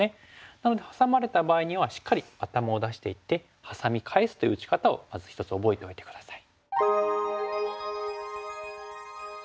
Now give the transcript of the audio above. なのでハサまれた場合にはしっかり頭を出していってハサミ返すという打ち方をまず一つ覚えておいて下さい。